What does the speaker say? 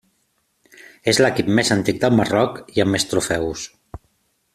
És l'equip més antic del Marroc i amb més trofeus.